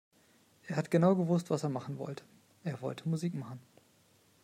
Er hat genau gewusst, was er machen wollte. Er wollte Musik machen.